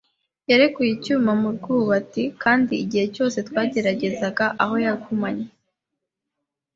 yarekuye icyuma mu rwubati; kandi igihe cyose twategerezaga aho yagumanye